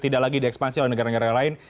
tidak lagi diekspansi oleh negara negara lain